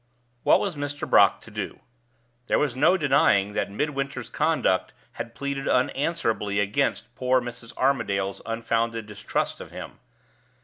What was Mr. Brock to do? There was no denying that Midwinter's conduct had pleaded unanswerably against poor Mrs. Armadale's unfounded distrust of him.